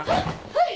はい！